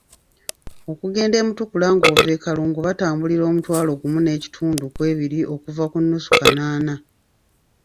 Okugenda e Mutukula ng’ova e Kalungu batambulira omutwala gumu n'ekitundu kw'ebiri okuva ku nnusu kanaana.